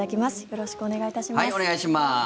よろしくお願いします。